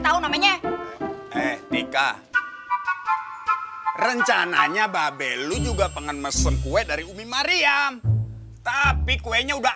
tahu namanya eh tika rencananya babel lu juga pengen mesen kue dari umi mariam tapi kuenya udah